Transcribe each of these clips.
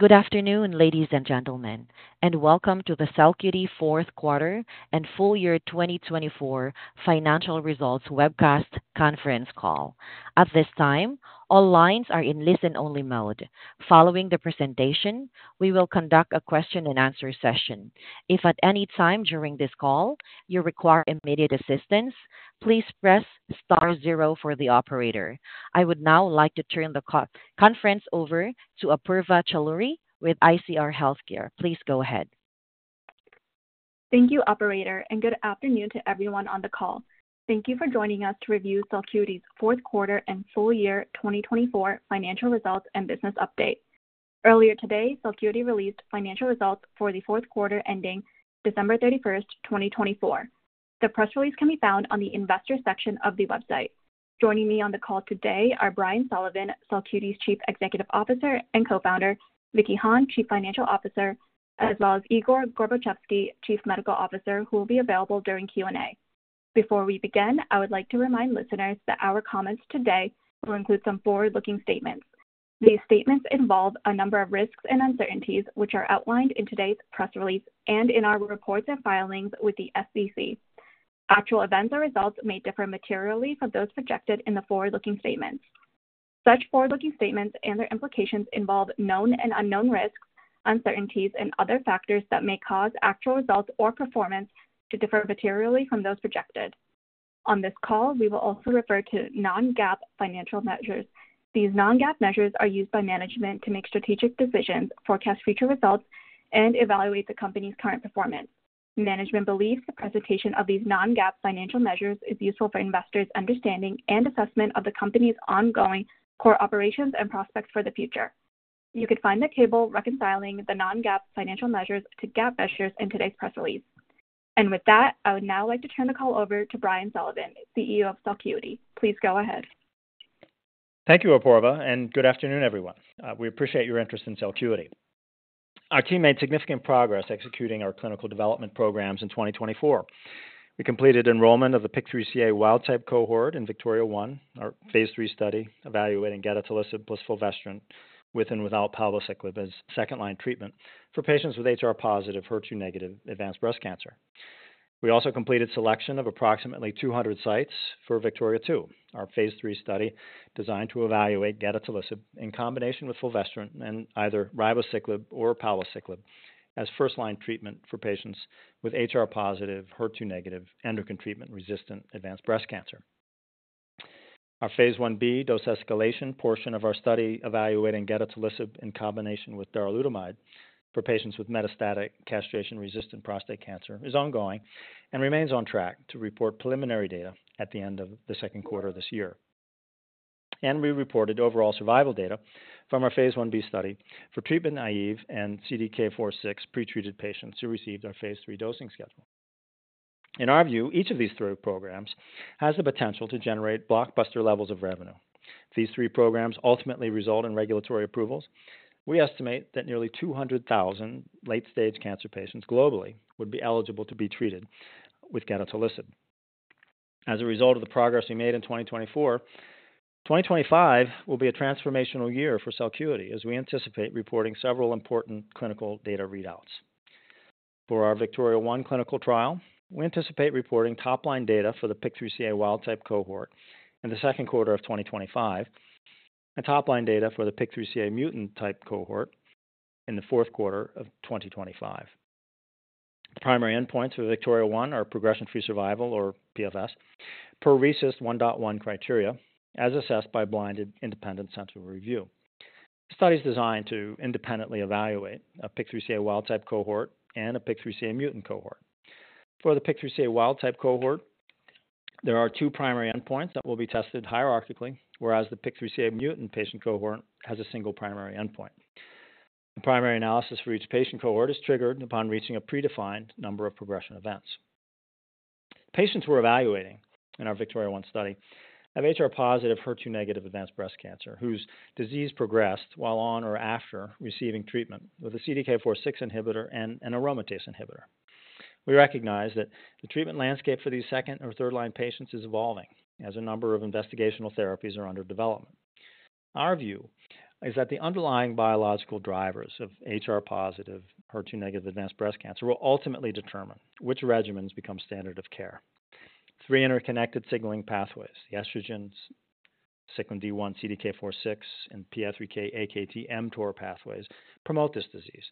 Good afternoon, ladies and gentlemen, and welcome to the Celcuity Q4 and Q4 2024 financial results webcast conference call. At this time, all lines are in listen-only mode. Following the presentation, we will conduct a question-and-answer session. If at any time during this call you require immediate assistance, please press star zero for the operator. I would now like to turn the conference over to Apoorva Chaloori with ICR Healthcare. Please go ahead. Thank you, Operator, and good afternoon to everyone on the call. Thank you for joining us to review Celcuity's Q4 and full year 2024 financial results and business update. Earlier today, Celcuity released financial results for the Q4 ending December 31st, 2024. The press release can be found on the Investor section of the website. Joining me on the call today are Brian Sullivan, Celcuity's Chief Executive Officer and Co-founder; Vicky Hahne, Chief Financial Officer; as well as Igor Gorbatchevsky, Chief Medical Officer, who will be available during Q&A. Before we begin, I would like to remind listeners that our comments today will include some forward-looking statements. These statements involve a number of risks and uncertainties, which are outlined in today's press release and in our reports and filings with the SEC. Actual events or results may differ materially from those projected in the forward-looking statements. Such forward-looking statements and their implications involve known and unknown risks, uncertainties, and other factors that may cause actual results or performance to differ materially from those projected. On this call, we will also refer to non-GAAP financial measures. These non-GAAP measures are used by management to make strategic decisions, forecast future results, and evaluate the company's current performance. Management believes the presentation of these non-GAAP financial measures is useful for investors' understanding and assessment of the company's ongoing core operations and prospects for the future. You can find the table reconciling the non-GAAP financial measures to GAAP measures in today's press release. I would now like to turn the call over to Brian Sullivan, CEO of Celcuity. Please go ahead. Thank you, Apoorva, and good afternoon, everyone. We appreciate your interest in Celcuity. Our team made significant progress executing our clinical development programs in 2024. We completed enrollment of the PIK3CA wild-type cohort in VIKTORIA-1, our phase III study evaluating gedatolisib plus fulvestrant with and without palbociclib as second-line treatment for patients with HR-positive, HER2-negative advanced breast cancer. We also completed selection of approximately 200 sites for VIKTORIA-2, our phase III study designed to evaluate gedatolisib in combination with fulvestrant and either ribociclib or palbociclib as first-line treatment for patients with HR-positive, HER2-negative, endocrine therapy resistant advanced breast cancer. Our phase I-B dose escalation portion of our study evaluating gedatolisib in combination with darolutamide for patients with metastatic castration-resistant prostate cancer is ongoing and remains on track to report preliminary data at the end of the second quarter of this year. We reported overall survival data from our phase I-B study for treatment naive and CDK4/6 pretreated patients who received our phase III dosing schedule. In our view, each of these three programs has the potential to generate blockbuster levels of revenue. If these three programs ultimately result in regulatory approvals, we estimate that nearly 200,000 late-stage cancer patients globally would be eligible to be treated with gedatolisib. As a result of the progress we made in 2024, 2025 will be a transformational year for Celcuity, as we anticipate reporting several important clinical data readouts. For our VIKTORIA-1 clinical trial, we anticipate reporting top-line data for the PIK3CA wild-type cohort in the second quarter of 2025 and top-line data for the PIK3CA mutant-type cohort in the fourth quarter of 2025. The primary endpoints for VIKTORIA-1 are progression-free survival, or PFS, per RECIST 1.1 criteria, as assessed by a blinded independent central review. The study is designed to independently evaluate a PIK3CA wild-type cohort and a PIK3CA mutant cohort. For the PIK3CA wild-type cohort, there are two primary endpoints that will be tested hierarchically, whereas the PIK3CA mutant patient cohort has a single primary endpoint. The primary analysis for each patient cohort is triggered upon reaching a predefined number of progression events. Patients we're evaluating in our VIKTORIA-1 study have HR-positive, HER2-negative advanced breast cancer whose disease progressed while on or after receiving treatment with a CDK4/6 inhibitor and an aromatase inhibitor. We recognize that the treatment landscape for these second or third-line patients is evolving, as a number of investigational therapies are under development. Our view is that the underlying biological drivers of HR-positive, HER2-negative advanced breast cancer will ultimately determine which regimens become standard of care. Three interconnected signaling pathways, the estrogens, cyclin D1, CDK4/6, and PI3K/AKT/mTOR pathways, promote this disease.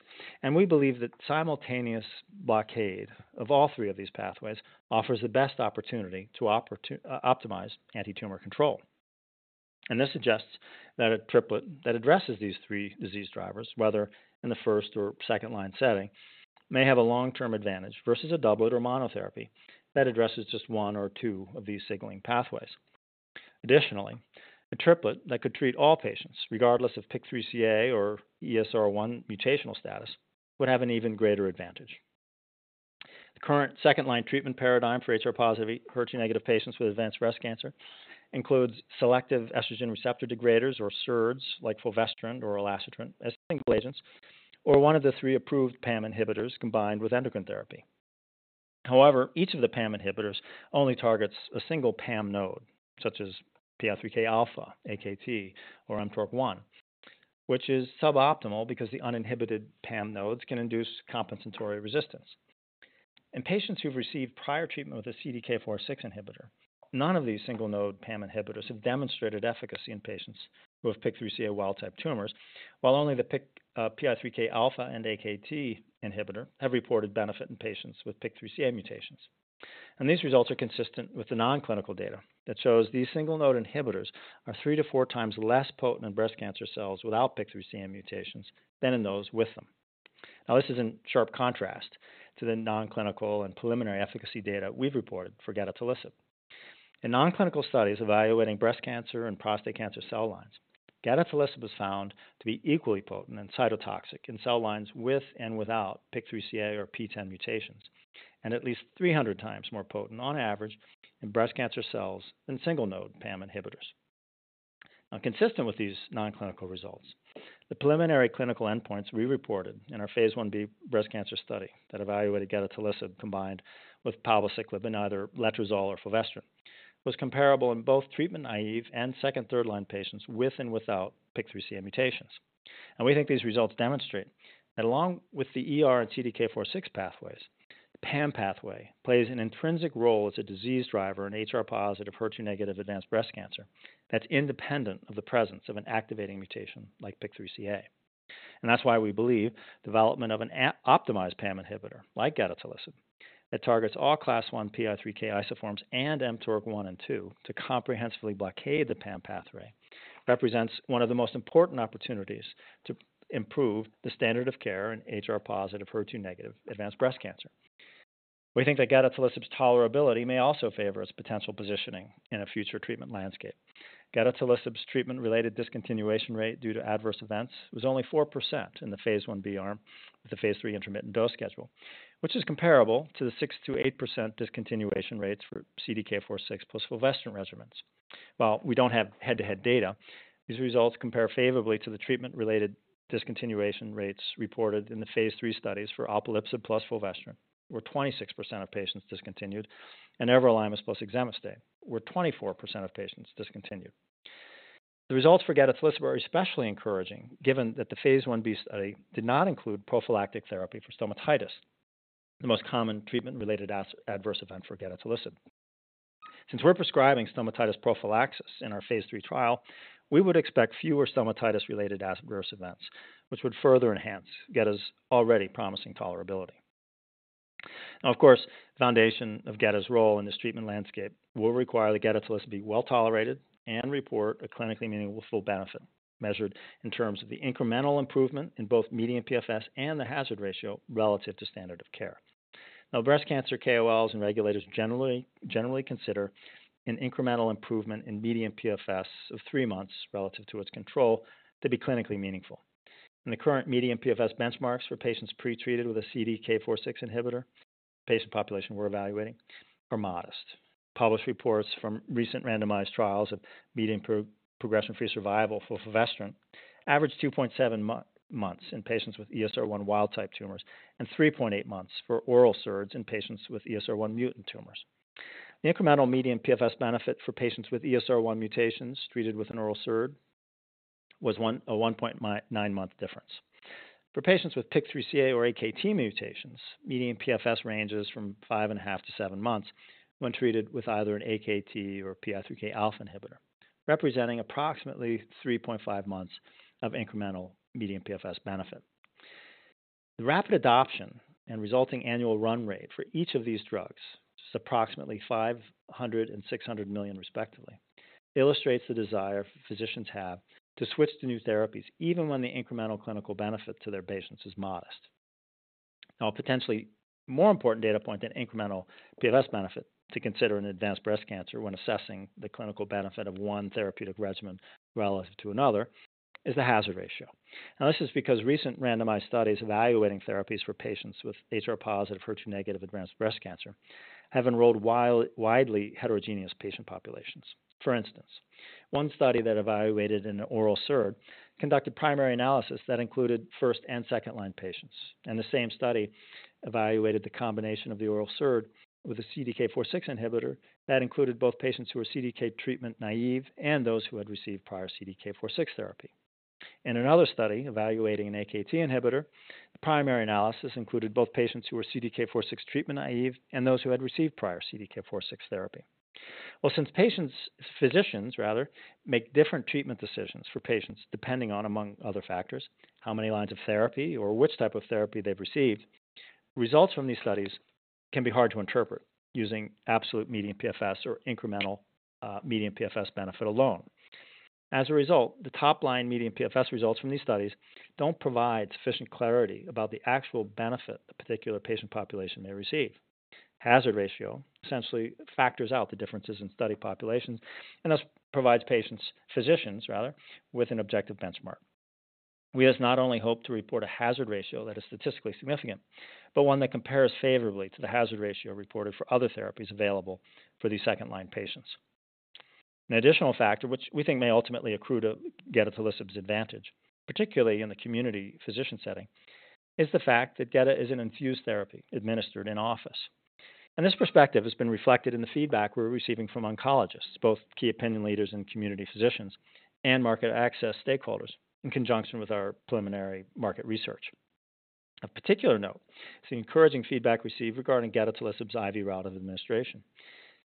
We believe that simultaneous blockade of all three of these pathways offers the best opportunity to optimize anti-tumor control. This suggests that a triplet that addresses these three disease drivers, whether in the first or second-line setting, may have a long-term advantage versus a doublet or monotherapy that addresses just one or two of these signaling pathways. Additionally, a triplet that could treat all patients, regardless of PIK3CA or ESR1 mutational status, would have an even greater advantage. The current second-line treatment paradigm for HR-positive, HER2-negative patients with advanced breast cancer includes selective estrogen receptor degraders, or SERDs, like fulvestrant or elacestrant as single agents, or one of the three approved PAM inhibitors combined with endocrine therapy. However, each of the PAM inhibitors only targets a single PAM node, such as PI3K-alpha, AKT, or mTORC1, which is suboptimal because the uninhibited PAM nodes can induce compensatory resistance. In patients who've received prior treatment with a CDK4/6 inhibitor, none of these single-node PAM inhibitors have demonstrated efficacy in patients who have PIK3CA wild-type tumors, while only the PI3K-alpha and AKT inhibitor have reported benefit in patients with PIK3CA mutations. These results are consistent with the non-clinical data that shows these single-node inhibitors are three to four times less potent in breast cancer cells without PIK3CA mutations than in those with them. Now, this is in sharp contrast to the non-clinical and preliminary efficacy data we've reported for gedatolisib. In non-clinical studies evaluating breast cancer and prostate cancer cell lines, gedatolisib was found to be equally potent and cytotoxic in cell lines with and without PIK3CA or PTEN mutations, and at least 300x more potent, on average, in breast cancer cells than single-node PAM inhibitors. Now, consistent with these non-clinical results, the preliminary clinical endpoints we reported in our phase I-B breast cancer study that evaluated gedatolisib combined with palbociclib and either letrozole or fulvestrant was comparable in both treatment naive and second and third-line patients with and without PIK3CA mutations. We think these results demonstrate that along with the CDK4/6 pathways, the PAM pathway plays an intrinsic role as a disease driver in HR-positive, HER2-negative advanced breast cancer that's independent of the presence of an activating mutation like PIK3CA. That's why we believe development of an optimized PAM inhibitor like gedatolisib that targets all Class I PI3K isoforms and mTORC1 and mTORC2 to comprehensively blockade the PAM pathway represents one of the most important opportunities to improve the standard of care in HR-positive, HER2-negative advanced breast cancer. We think that gedatolisib's tolerability may also favor its potential positioning in a future treatment landscape. Gedatolisib's treatment-related discontinuation rate due to adverse events was only 4% in the phase I-B arm of the phase III intermittent dose schedule, which is comparable to the 6%-8% discontinuation rates for CDK4/6 plus fulvestrant regimens. While we don't have head-to-head data, these results compare favorably to the treatment-related discontinuation rates reported in the phase III studies for alpelisib plus fulvestrant, where 26% of patients discontinued, and everolimus plus exemestane, where 24% of patients discontinued. The results for gedatolisib were especially encouraging, given that the phase I-B study did not include prophylactic therapy for stomatitis, the most common treatment-related adverse event for gedatolisib. Since we're prescribing stomatitis prophylaxis in our phase III trial, we would expect fewer stomatitis-related adverse events, which would further enhance geda's already promising tolerability. Now, of course, the foundation of geda's role in this treatment landscape will require the gedatolisib to be well tolerated and report a clinically meaningful full benefit measured in terms of the incremental improvement in both median PFS and the hazard ratio relative to standard of care. Now, breast cancer KOLs and regulators generally consider an incremental improvement in median PFS of three months relative to its control to be clinically meaningful. The current median PFS benchmarks for patients pretreated with a CDK4/6 inhibitor, the patient population we're evaluating, are modest. Published reports from recent randomized trials of median progression-free survival for fulvestrant averaged 2.7 months in patients with ESR1 wild-type tumors and 3.8 months for oral SERDs in patients with ESR1 mutant tumors. The incremental median PFS benefit for patients with ESR1 mutations treated with an oral SERD was a 1.9-month difference. For patients with PIK3CA or AKT mutations, median PFS ranges from 5.5-7 months when treated with either an AKT or PI3K-alpha inhibitor, representing approximately 3.5 months of incremental median PFS benefit. The rapid adoption and resulting annual run rate for each of these drugs, which is approximately $500 million and $600 million, respectively, illustrates the desire physicians have to switch to new therapies, even when the incremental clinical benefit to their patients is modest. Now, a potentially more important data point than incremental PFS benefit to consider in advanced breast cancer when assessing the clinical benefit of one therapeutic regimen relative to another is the hazard ratio. Now, this is because recent randomized studies evaluating therapies for patients with HR-positive, HER2-negative advanced breast cancer have enrolled widely heterogeneous patient populations. For instance, one study that evaluated an oral SERD conducted primary analysis that included first and second-line patients. The same study evaluated the combination of the oral SERD with a CDK4/6 inhibitor that included both patients who were CDK treatment naive and those who had received prior CDK4/6 therapy. In another study evaluating an AKT inhibitor, the primary analysis included both patients who were CDK4/6 treatment naive and those who had received prior CDK4/6 therapy. Since physicians, rather, make different treatment decisions for patients depending on, among other factors, how many lines of therapy or which type of therapy they've received, results from these studies can be hard to interpret using absolute median PFS or incremental median PFS benefit alone. As a result, the top-line median PFS results from these studies don't provide sufficient clarity about the actual benefit the particular patient population may receive. Hazard ratio essentially factors out the differences in study populations and thus provides patients, physicians, rather, with an objective benchmark. We not only hope to report a hazard ratio that is statistically significant, but one that compares favorably to the hazard ratio reported for other therapies available for these second-line patients. An additional factor, which we think may ultimately accrue to gedatolisib's advantage, particularly in the community physician setting, is the fact that gedatolisib is an infused therapy administered in office. This perspective has been reflected in the feedback we're receiving from oncologists, both key opinion leaders and community physicians, and market access stakeholders in conjunction with our preliminary market research. Of particular note is the encouraging feedback received regarding gedatolisib's IV route of administration.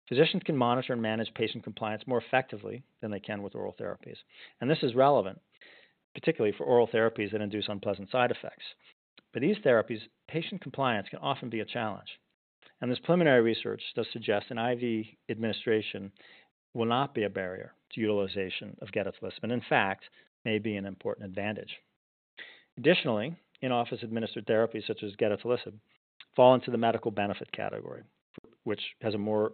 Physicians can monitor and manage patient compliance more effectively than they can with oral therapies, and this is relevant, particularly for oral therapies that induce unpleasant side effects. With these therapies, patient compliance can often be a challenge. This preliminary research does suggest an IV administration will not be a barrier to utilization of gedatolisib, and in fact, may be an important advantage. Additionally, in-office administered therapies such as gedatolisib fall into the medical benefit category, which has a more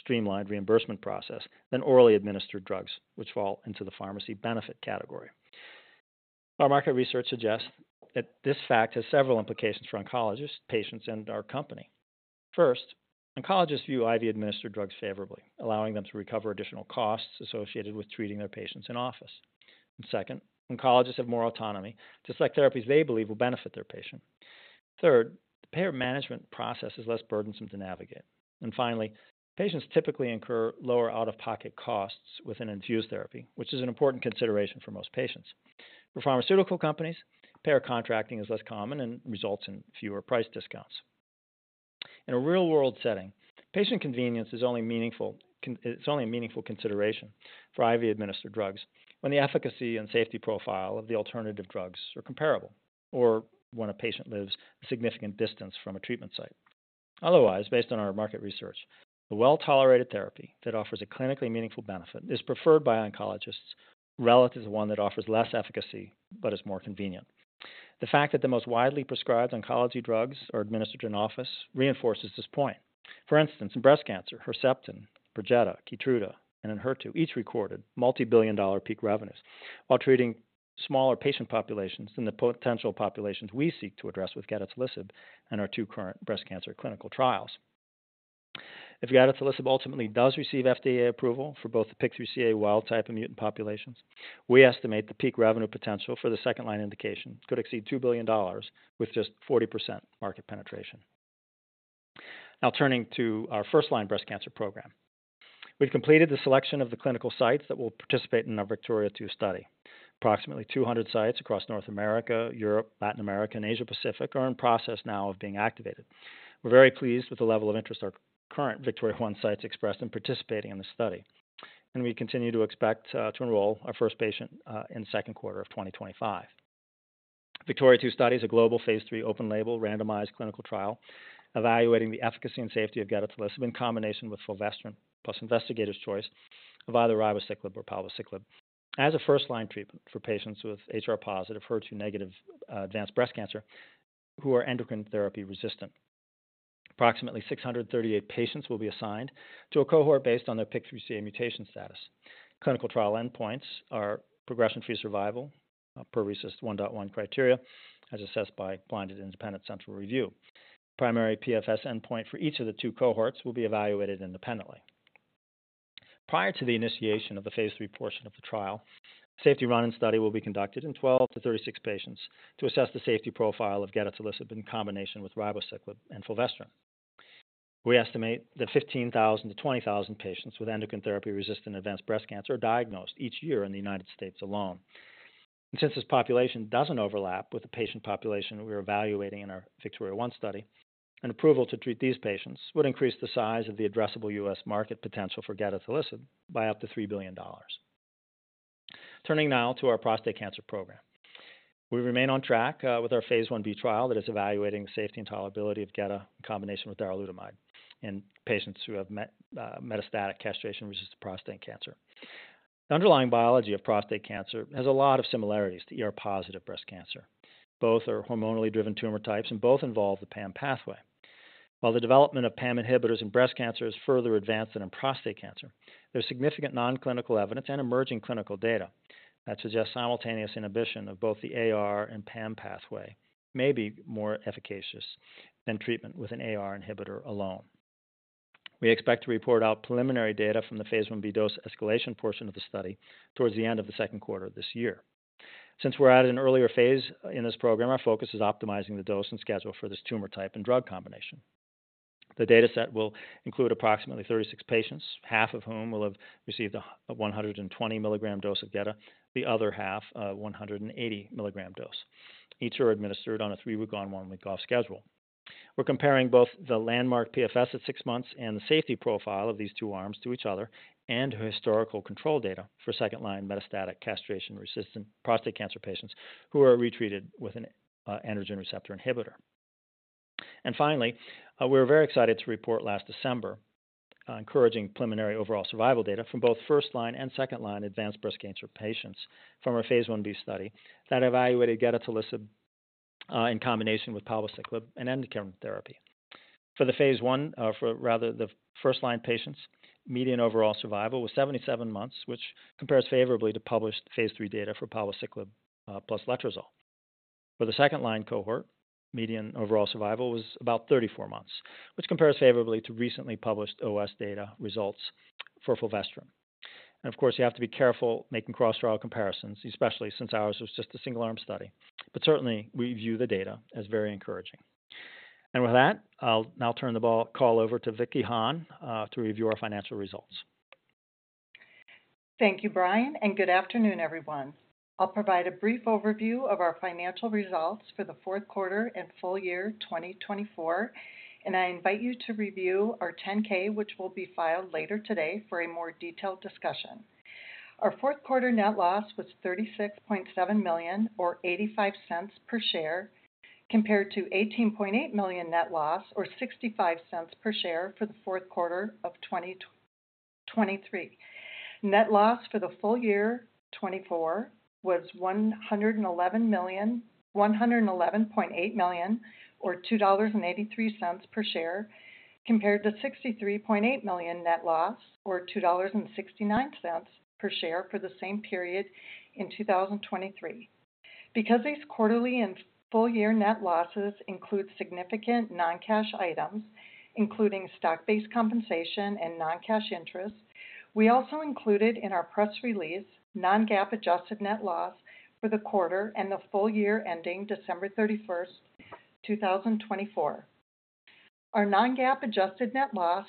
streamlined reimbursement process than orally administered drugs, which fall into the pharmacy benefit category. Our market research suggests that this fact has several implications for oncologists, patients, and our company. First, oncologists view IV-administered drugs favorably, allowing them to recover additional costs associated with treating their patients in office. Second, oncologists have more autonomy to select therapies they believe will benefit their patient. Third, the payer management process is less burdensome to navigate. Finally, patients typically incur lower out-of-pocket costs with an infused therapy, which is an important consideration for most patients. For pharmaceutical companies, payer contracting is less common and results in fewer price discounts. In a real-world setting, patient convenience is only a meaningful consideration for IV-administered drugs when the efficacy and safety profile of the alternative drugs are comparable, or when a patient lives a significant distance from a treatment site. Otherwise, based on our market research, a well-tolerated therapy that offers a clinically meaningful benefit is preferred by oncologists relative to one that offers less efficacy but is more convenient. The fact that the most widely prescribed oncology drugs are administered in office reinforces this point. For instance, in breast cancer, Herceptin, Perjeta, Keytruda, and Enhertu each recorded multi-billion-dollar peak revenues while treating smaller patient populations than the potential populations we seek to address with gedatolisib and our two current breast cancer clinical trials. If gedatolisib ultimately does receive FDA approval for both the PIK3CA wild-type and mutant populations, we estimate the peak revenue potential for the second-line indication could exceed $2 billion with just 40% market penetration. Now, turning to our first-line breast cancer program, we've completed the selection of the clinical sites that will participate in our VIKTORIA-2 study. Approximately 200 sites across North America, Europe, Latin America, and Asia-Pacific are in process now of being activated. We're very pleased with the level of interest our current VIKTORIA-1 sites expressed in participating in this study, and we continue to expect to enroll our first patient in the second quarter of 2025. VIKTORIA-2 study is a global phase III open-label, randomized clinical trial evaluating the efficacy and safety of gedatolisib in combination with fulvestrant plus investigator's choice of either ribociclib or palbociclib as a first-line treatment for patients with HR-positive, HER2-negative advanced breast cancer who are endocrine therapy resistant. Approximately 638 patients will be assigned to a cohort based on their PIK3CA mutation status. Clinical trial endpoints are progression-free survival per RECIST 1.1 criteria, as assessed by blinded independent central review. The primary PFS endpoint for each of the two cohorts will be evaluated independently. Prior to the initiation of the phase III portion of the trial, a safety run-in study will be conducted in 12-36 patients to assess the safety profile of gedatolisib in combination with ribociclib and fulvestrant. We estimate that 15,000-20,000 patients with endocrine therapy resistant advanced breast cancer are diagnosed each year in the U.S. alone. Since this population does not overlap with the patient population we are evaluating in our VIKTORIA-1 study, an approval to treat these patients would increase the size of the addressable U.S. market potential for gedatolisib by up to $3 billion. Turning now to our prostate cancer program, we remain on track with our phase I-B trial that is evaluating the safety and tolerability of gedatolisib in combination with darolutamide in patients who have metastatic castration-resistant prostate cancer. The underlying biology of prostate cancer has a lot of similarities to ER-positive breast cancer. Both are hormonally-driven tumor types, and both involve the PAM pathway. While the development of PAM inhibitors in breast cancer is further advanced than in prostate cancer, there's significant non-clinical evidence and emerging clinical data that suggests simultaneous inhibition of both the AR and PAM pathway may be more efficacious than treatment with an AR inhibitor alone. We expect to report out preliminary data from the phase I-B dose escalation portion of the study towards the end of the second quarter of this year. Since we're at an earlier phase in this program, our focus is optimizing the dose and schedule for this tumor type and drug combination. The data set will include approximately 36 patients, half of whom will have received a 120 mg dose of geda, the other half a 180 mg dose. Each are administered on a three-week-on-one-week-off schedule. We're comparing both the landmark PFS at six months and the safety profile of these two arms to each other and historical control data for second-line metastatic castration-resistant prostate cancer patients who are retreated with an androgen receptor inhibitor. Finally, we're very excited to report last December encouraging preliminary overall survival data from both first-line and second-line advanced breast cancer patients from our phase I-B study that evaluated gedatolisib in combination with palbociclib and endocrine therapy. For the phase I, rather, the first-line patients, median overall survival was 77 months, which compares favorably to published phase III data for palbociclib plus letrozole. For the second-line cohort, median overall survival was about 34 months, which compares favorably to recently published OS data results for fulvestrant. Of course, you have to be careful making cross-trial comparisons, especially since ours was just a single-arm study. Certainly, we view the data as very encouraging. With that, I'll now turn the call over to Vicky Hahne to review our financial results. Thank you, Brian, and good afternoon, everyone. I'll provide a brief overview of our financial results for the fourth quarter and full year 2024, and I invite you to review our 10-K, which will be filed later today for a more detailed discussion. Our fourth quarter net loss was $36.7 million, or $0.85 per share, compared to $18.8 million net loss, or $0.65 per share for the fourth quarter of 2023. Net loss for the full year 2024 was $111.8 million, or $2.83 per share, compared to $63.8 million net loss, or $2.69 per share for the same period in 2023. Because these quarterly and full-year net losses include significant non-cash items, including stock-based compensation and non-cash interest, we also included in our press release non-GAAP adjusted net loss for the quarter and the full year ending December 31st, 2024. Our non-GAAP adjusted net loss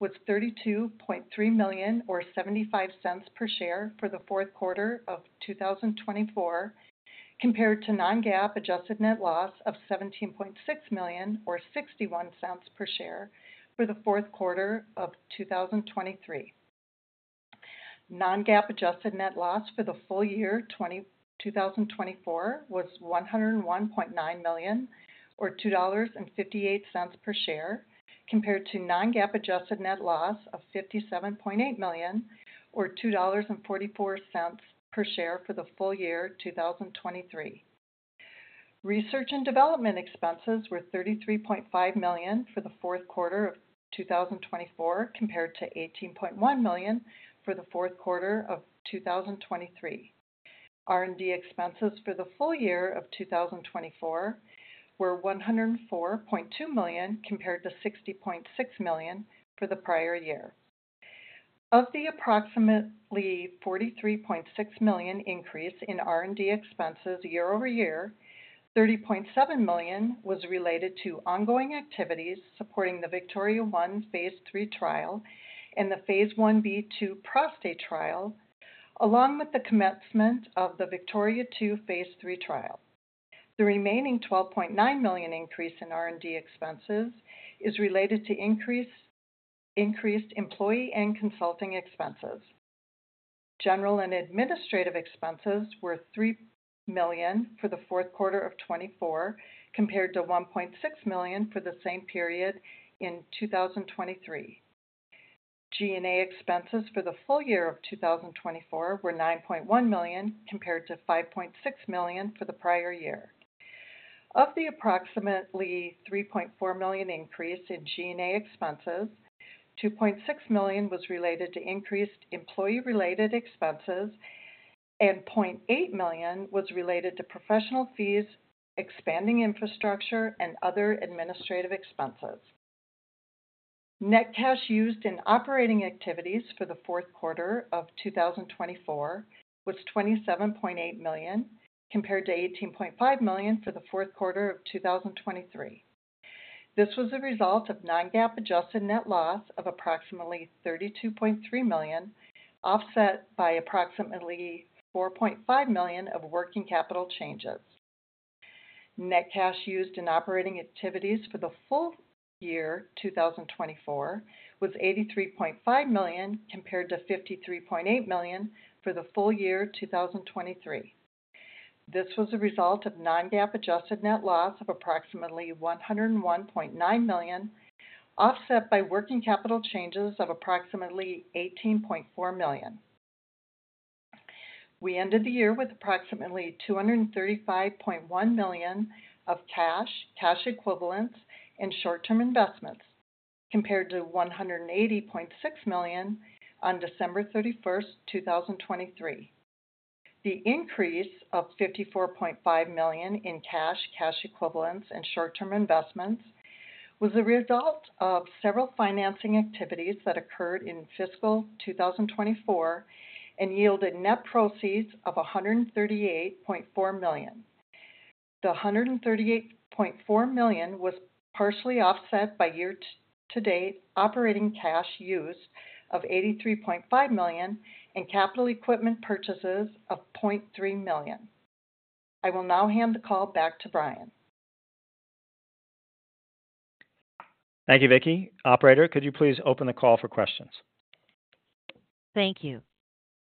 was $32.3 million, or $0.75 per share for the fourth quarter of 2024, compared to non-GAAP adjusted net loss of $17.6 million, or $0.61 per share for the fourth quarter of 2023. Non-GAAP adjusted net loss for the full year 2024 was $101.9 million, or $2.58 per share, compared to non-GAAP adjusted net loss of $57.8 million, or $2.44 per share for the full year 2023. Research and development expenses were $33.5 million for the fourth quarter of 2024, compared to $18.1 million for the fourth quarter of 2023. R&D expenses for the full year of 2024 were $104.2 million, compared to $60.6 million for the prior year. Of the approximately $43.6 million increase in R&D expenses year-over-year, $30.7 million was related to ongoing activities supporting the VIKTORIA-1 phase III trial and the phase I-B/II prostate trial, along with the commencement of the VIKTORIA-2 phase III trial. The remaining $12.9 million increase in R&D expenses is related to increased employee and consulting expenses. General and administrative expenses were $3 million for the fourth quarter of 2024, compared to $1.6 million for the same period in 2023. G&A expenses for the full year of 2024 were $9.1 million, compared to $5.6 million for the prior year. Of the approximately $3.4 million increase in G&A expenses, $2.6 million was related to increased employee-related expenses, and $0.8 million was related to professional fees, expanding infrastructure, and other administrative expenses. Net cash used in operating activities for the fourth quarter of 2024 was $27.8 million, compared to $18.5 million for the fourth quarter of 2023. This was a result of non-GAAP adjusted net loss of approximately $32.3 million, offset by approximately $4.5 million of working capital changes. Net cash used in operating activities for the full year 2024 was $83.5 million, compared to $53.8 million for the full year 2023. This was a result of non-GAAP adjusted net loss of approximately $101.9 million, offset by working capital changes of approximately $18.4 million. We ended the year with approximately $235.1 million of cash, cash equivalents, and short-term investments, compared to $180.6 million on December 31st, 2023. The increase of $54.5 million in cash, cash equivalents, and short-term investments was a result of several financing activities that occurred in fiscal 2024 and yielded net proceeds of $138.4 million. The $138.4 million was partially offset by year-to-date operating cash used of $83.5 million and capital equipment purchases of $0.3 million. I will now hand the call back to Brian. Thank you, Vicky. Operator, could you please open the call for questions? Thank you.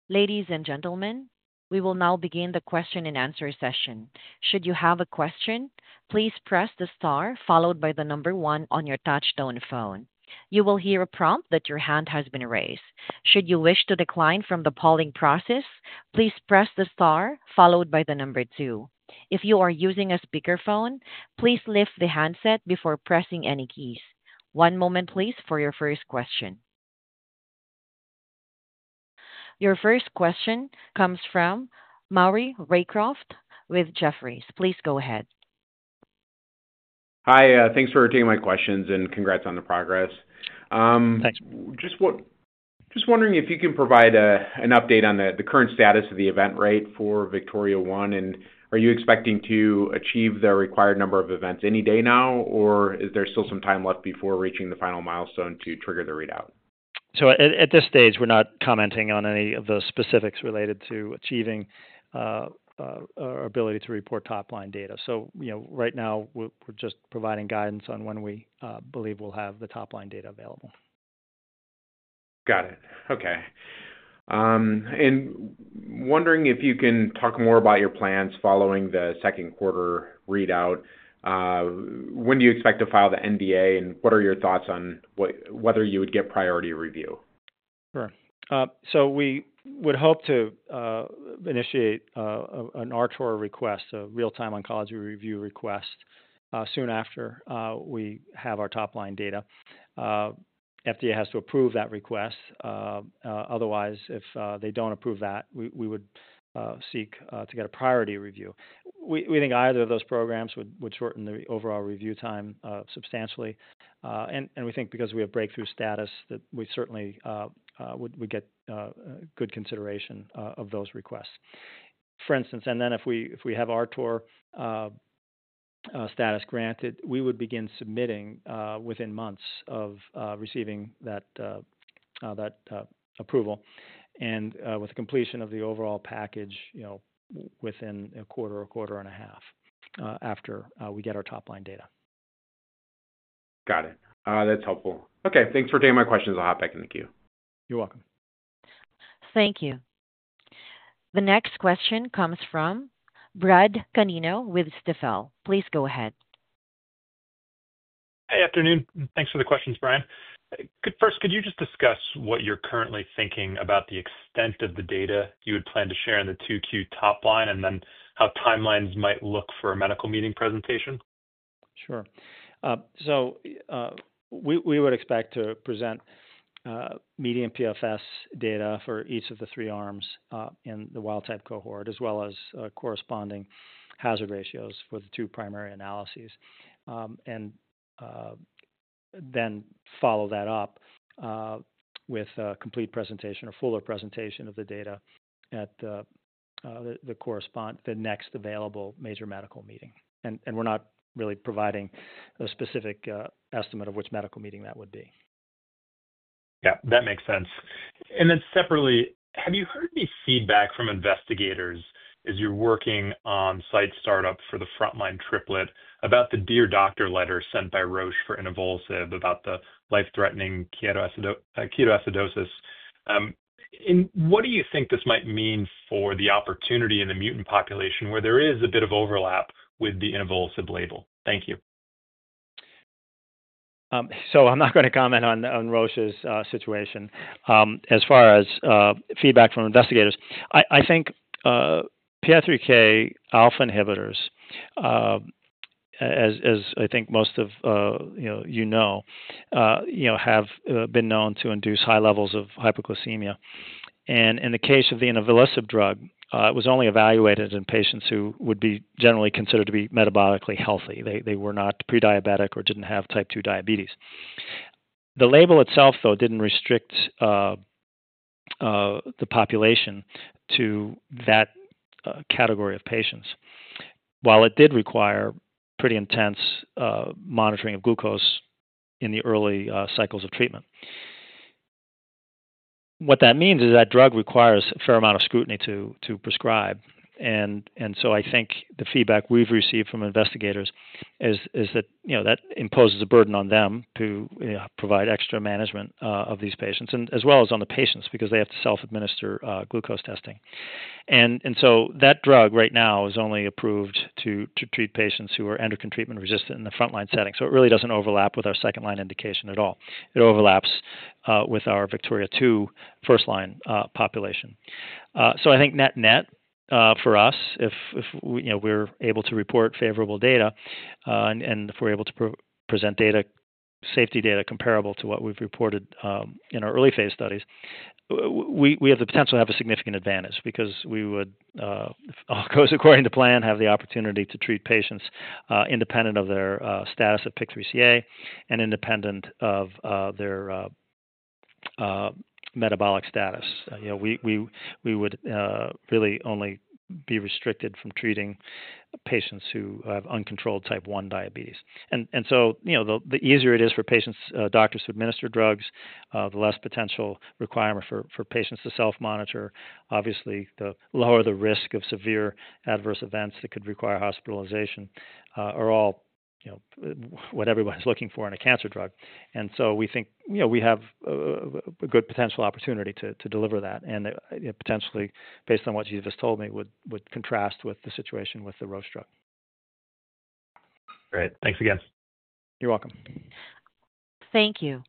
Ladies and gentlemen, we will now begin the question-and-answer session. Should you have a question, please press the star followed by the number one on your touchstone phone. You will hear a prompt that your hand has been raised. Should you wish to decline from the polling process, please press the star followed by the number two. If you are using a speakerphone, please lift the handset before pressing any keys. One moment, please, for your first question. Your first question comes from Maury Raycroft with Jefferies. Please go ahead. Hi, thanks for taking my questions and congrats on the progress. Thanks. Just wondering if you can provide an update on the current status of the event rate for VIKTORIA-1, and are you expecting to achieve the required number of events any day now, or is there still some time left before reaching the final milestone to trigger the readout? At this stage, we're not commenting on any of the specifics related to achieving our ability to report top-line data. Right now, we're just providing guidance on when we believe we'll have the top-line data available. Got it. Okay. Wondering if you can talk more about your plans following the second quarter readout. When do you expect to file the NDA, and what are your thoughts on whether you would get priority review? Sure. We would hope to initiate an RTOR, a real-time oncology review request, soon after we have our top-line data. FDA has to approve that request. Otherwise, if they do not approve that, we would seek to get a priority review. We think either of those programs would shorten the overall review time substantially. We think because we have breakthrough status that we certainly would get good consideration of those requests. For instance, if we have our RTOR status granted, we would begin submitting within months of receiving that approval and with the completion of the overall package within a quarter or quarter and a half after we get our top-line data. Got it. That's helpful. Okay. Thanks for taking my questions. I'll hop back into the queue. You're welcome. Thank you. The next question comes from Brad Canino with Stifel. Please go ahead. Hey, afternoon. Thanks for the questions, Brian. First, could you just discuss what you're currently thinking about the extent of the data you would plan to share in the 2Q top-line and then how timelines might look for a medical meeting presentation? Sure. We would expect to present median PFS data for each of the three arms in the wild-type cohort, as well as corresponding hazard ratios for the two primary analyses, and then follow that up with a complete presentation or fuller presentation of the data at the corresponding next available major medical meeting. We're not really providing a specific estimate of which medical meeting that would be. Yeah, that makes sense. Separately, have you heard any feedback from investigators as you're working on site startup for the front-line triplet about the dear doctor letter sent by Roche for inavolisib about the life-threatening ketoacidosis? What do you think this might mean for the opportunity in the mutant population where there is a bit of overlap with the inavolisib label? Thank you. I'm not going to comment on Roche's situation. As far as feedback from investigators, I think PI3K-alpha inhibitors, as I think most of you know, have been known to induce high levels of hyperglycemia. In the case of the inavolisib drug, it was only evaluated in patients who would be generally considered to be metabolically healthy. They were not prediabetic or did not have type 2 diabetes. The label itself, though, did not restrict the population to that category of patients, while it did require pretty intense monitoring of glucose in the early cycles of treatment. What that means is that drug requires a fair amount of scrutiny to prescribe. I think the feedback we've received from investigators is that that imposes a burden on them to provide extra management of these patients, as well as on the patients, because they have to self-administer glucose testing. That drug right now is only approved to treat patients who are endocrine treatment resistant in the front-line setting. It really does not overlap with our second-line indication at all. It overlaps with our VIKTORIA-2 first-line population. I think net-net for us, if we are able to report favorable data and if we are able to present safety data comparable to what we have reported in our early phase studies, we have the potential to have a significant advantage because we would, if all goes according to plan, have the opportunity to treat patients independent of their status at PIK3CA and independent of their metabolic status. We would really only be restricted from treating patients who have uncontrolled type 1 diabetes. The easier it is for patients' doctors to administer drugs, the less potential requirement for patients to self-monitor. Obviously, the lower the risk of severe adverse events that could require hospitalization are all what everyone is looking for in a cancer drug. We think we have a good potential opportunity to deliver that. Potentially, based on what you've just told me, it would contrast with the situation with the Roche drug. Great. Thanks again. You're welcome. Thank you.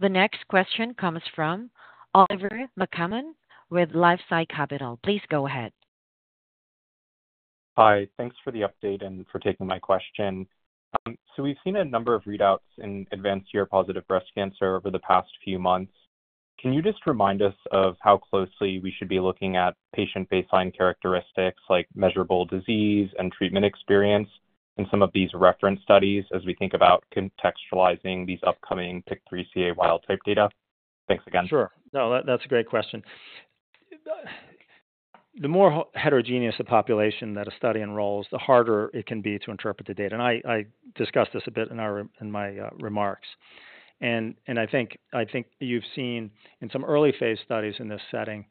The next question comes from Oliver McCammon with LifeSci Capital. Please go ahead. Hi. Thanks for the update and for taking my question. We've seen a number of readouts in advanced HR-positive breast cancer over the past few months. Can you just remind us of how closely we should be looking at patient baseline characteristics like measurable disease and treatment experience in some of these reference studies as we think about contextualizing these upcoming PIK3CA wild-type data? Thanks again. Sure. No, that's a great question. The more heterogeneous the population that a study enrolls, the harder it can be to interpret the data. I discussed this a bit in my remarks. I think you've seen in some early phase studies in this setting,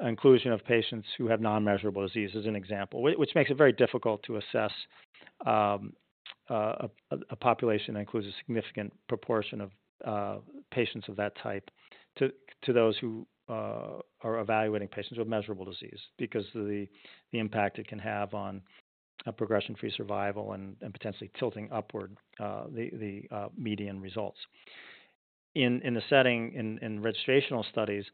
inclusion of patients who have non-measurable disease as an example, which makes it very difficult to assess a population that includes a significant proportion of patients of that type to those who are evaluating patients with measurable disease because of the impact it can have on progression-free survival and potentially tilting upward the median results. In the setting in registrational studies,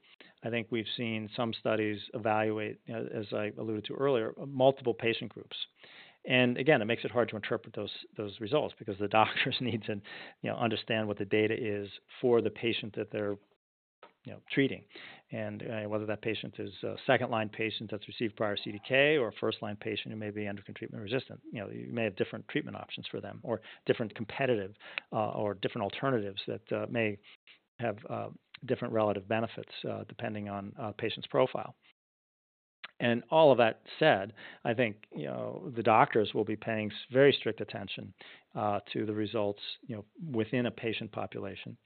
I think we've seen some studies evaluate, as I alluded to earlier, multiple patient groups. It makes it hard to interpret those results because the doctors need to understand what the data is for the patient that they're treating and whether that patient is a second-line patient that's received prior CDK or a first-line patient who may be endocrine treatment resistant. You may have different treatment options for them or different competitive or different alternatives that may have different relative benefits depending on a patient's profile. All of that said, I think the doctors will be paying very strict attention to the results within a patient population.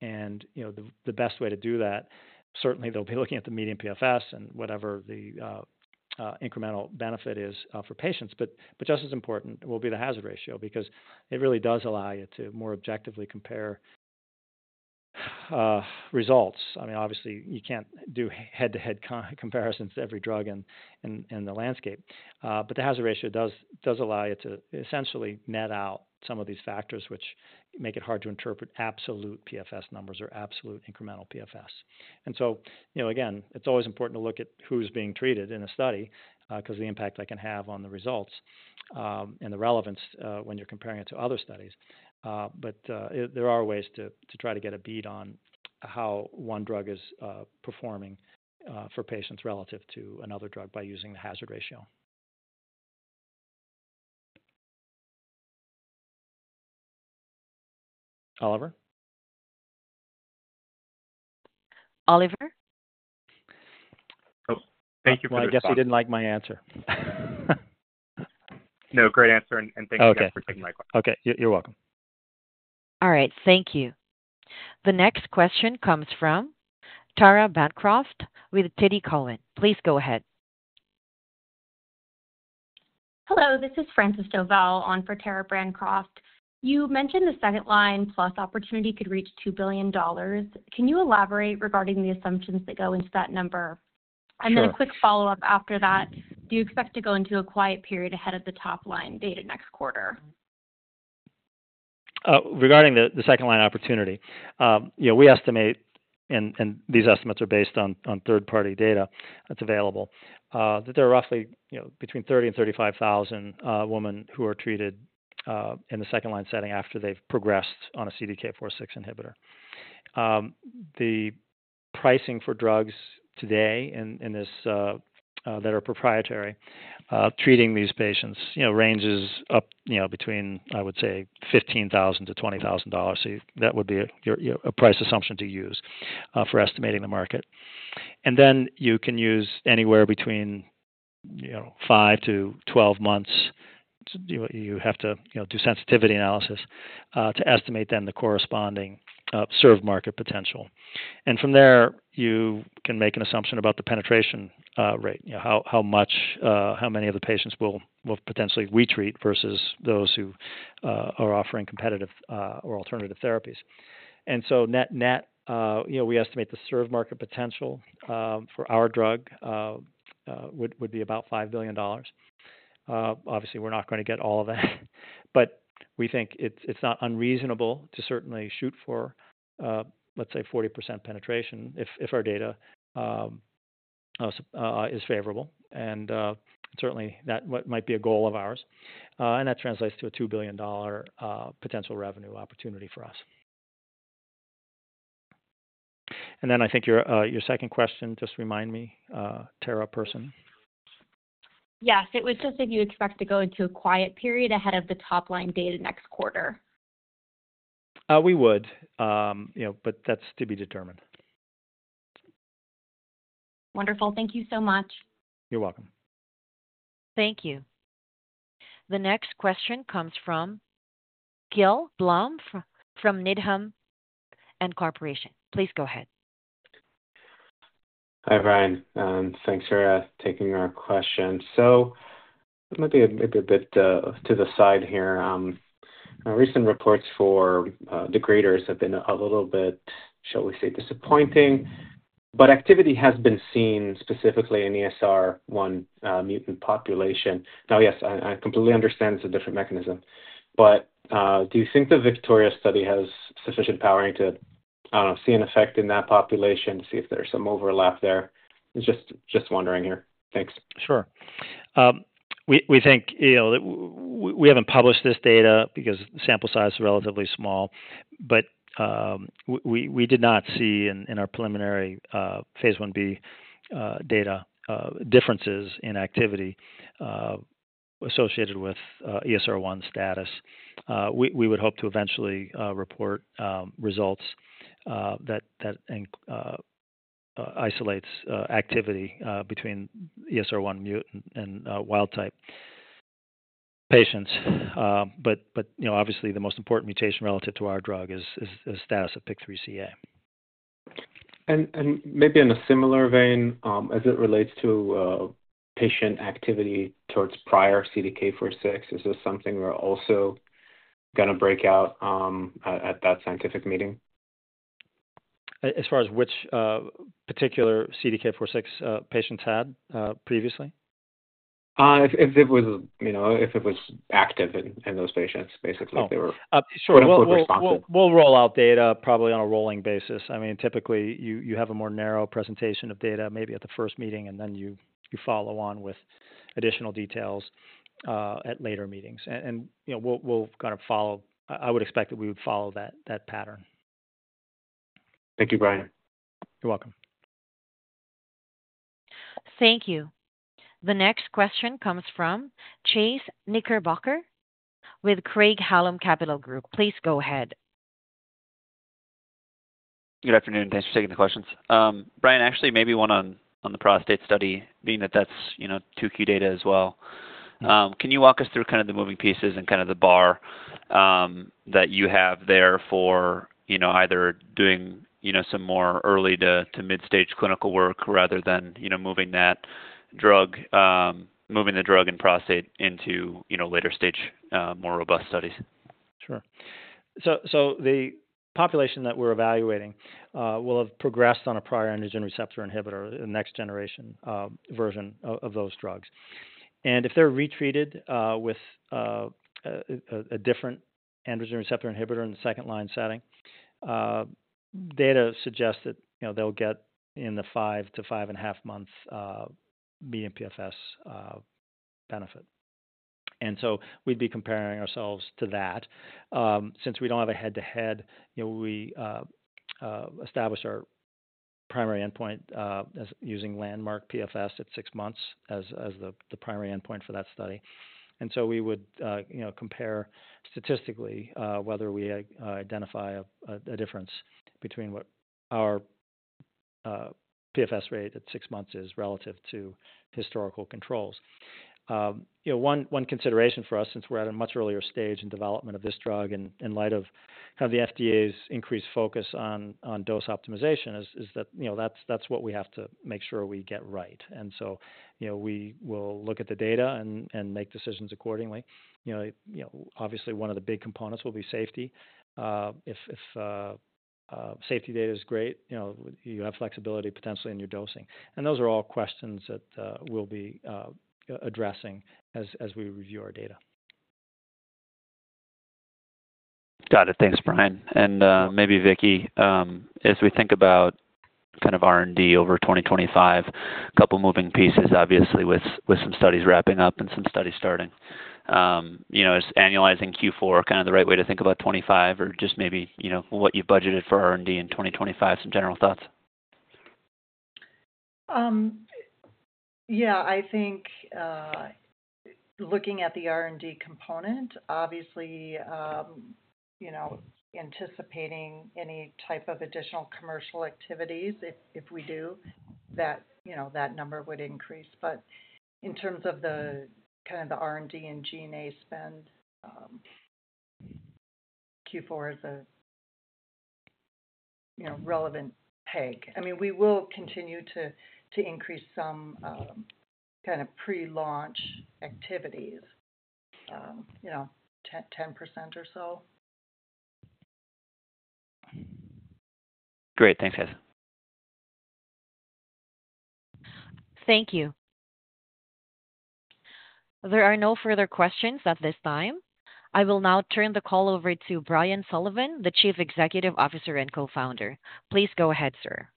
The best way to do that, certainly they'll be looking at the median PFS and whatever the incremental benefit is for patients. Just as important will be the hazard ratio because it really does allow you to more objectively compare results. I mean, obviously, you can't do head-to-head comparisons to every drug in the landscape. The hazard ratio does allow you to essentially net out some of these factors which make it hard to interpret absolute PFS numbers or absolute incremental PFS. Again, it's always important to look at who's being treated in a study because of the impact that can have on the results and the relevance when you're comparing it to other studies. There are ways to try to get a bead on how one drug is performing for patients relative to another drug by using the hazard ratio. Oliver? Oliver? I guess he didn't like my answer. No. Great answer. Thanks again for taking my question. Okay. You're welcome. All right. Thank you. The next question comes from Tara Bancroft with TD Cowen. Please go ahead. Hello. This is Frances Dovell on for Tara Bancroft. You mentioned the second-line plus opportunity could reach $2 billion. Can you elaborate regarding the assumptions that go into that number? A quick follow-up after that, do you expect to go into a quiet period ahead of the top-line data next quarter? Regarding the second-line opportunity, we estimate, and these estimates are based on third-party data that's available, that there are roughly between 30,000 and 35,000 women who are treated in the second-line setting after they've progressed on a CDK4/6 inhibitor. The pricing for drugs today in this that are proprietary treating these patients ranges up between, I would say, $15,000-$20,000. That would be a price assumption to use for estimating the market. You can use anywhere between 5-12 months. You have to do sensitivity analysis to estimate then the corresponding served market potential. From there, you can make an assumption about the penetration rate, how many of the patients will potentially retreat versus those who are offering competitive or alternative therapies. Net-net, we estimate the served market potential for our drug would be about $5 billion. Obviously, we're not going to get all of that, but we think it's not unreasonable to certainly shoot for, let's say, 40% penetration if our data is favorable. That might be a goal of ours. That translates to a $2 billion potential revenue opportunity for us. I think your second question, just remind me, Tara person. Yes. It was just if you expect to go into a quiet period ahead of the top-line data next quarter. We would, that is to be determined. Wonderful. Thank you so much. You're welcome. Thank you. The next question comes from Gil Blum from Needham & Company. Please go ahead. Hi, Brian. Thanks for taking our question. Maybe a bit to the side here. Recent reports for degraders have been a little bit, shall we say, disappointing, but activity has been seen specifically in ESR1 mutant population. Now, yes, I completely understand it's a different mechanism, but do you think the VIKTORIA study has sufficient power to see an effect in that population to see if there's some overlap there? Just wondering here. Thanks. Sure. We think we haven't published this data because the sample size is relatively small, but we did not see in our preliminary phase 1b data differences in activity associated with ESR1 status. We would hope to eventually report results that isolates activity between ESR1 mutant and wild-type patients. Obviously, the most important mutation relative to our drug is status of PIK3CA. Maybe in a similar vein, as it relates to patient activity towards prior CDK4/6, is this something we're also going to break out at that scientific meeting? As far as which particular CDK4/6 patients had previously? If it was active in those patients, basically, they were. Sure. We'll roll out data probably on a rolling basis. I mean, typically, you have a more narrow presentation of data maybe at the first meeting, and then you follow on with additional details at later meetings. We'll kind of follow. I would expect that we would follow that pattern. Thank you, Brian. You're welcome. Thank you. The next question comes from Chase Knickerbocker with Craig-Hallum Capital Group. Please go ahead. Good afternoon. Thanks for taking the questions. Brian, actually, maybe one on the prostate study, being that that's two key data as well. Can you walk us through kind of the moving pieces and kind of the bar that you have there for either doing some more early to mid-stage clinical work rather than moving the drug in prostate into later stage, more robust studies? Sure. The population that we're evaluating will have progressed on a prior androgen receptor inhibitor, the next generation version of those drugs. If they're retreated with a different androgen receptor inhibitor in the second-line setting, data suggests that they'll get in the 5-5.5 month median PFS benefit. We would be comparing ourselves to that. Since we don't have a head-to-head, we establish our primary endpoint using landmark PFS at six months as the primary endpoint for that study. We would compare statistically whether we identify a difference between what our PFS rate at six months is relative to historical controls. One consideration for us, since we're at a much earlier stage in development of this drug in light of the FDA's increased focus on dose optimization, is that that's what we have to make sure we get right. We will look at the data and make decisions accordingly. Obviously, one of the big components will be safety. If safety data is great, you have flexibility potentially in your dosing. Those are all questions that we'll be addressing as we review our data. Got it. Thanks, Brian. Maybe, Vicky, as we think about kind of R&D over 2025, a couple of moving pieces, obviously, with some studies wrapping up and some studies starting. Is annualizing Q4 kind of the right way to think about 2025, or just maybe what you budgeted for R&D in 2025, some general thoughts? Yeah. I think looking at the R&D component, obviously, anticipating any type of additional commercial activities, if we do, that number would increase. In terms of kind of the R&D and G&A spend, Q4 is a relevant peg. I mean, we will continue to increase some kind of pre-launch activities, 10% or so. Great. Thanks, guys. Thank you. There are no further questions at this time. I will now turn the call over to Brian Sullivan, the Chief Executive Officer and Co-founder. Please go ahead, sir.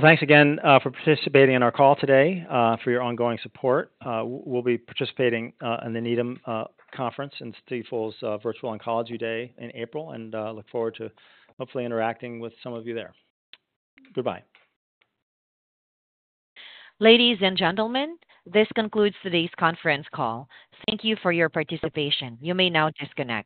Thanks again for participating in our call today, for your ongoing support. We'll be participating in the Needham Conference and Stifel's virtual oncology day in April and look forward to hopefully interacting with some of you there. Goodbye. Ladies and gentlemen, this concludes today's conference call. Thank you for your participation. You may now disconnect.